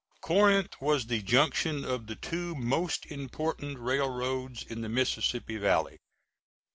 Corinth was the junction of the two most important railroads in the Mississippi Valley.